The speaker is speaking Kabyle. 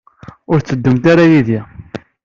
Ur tetteddumt ara yid-i?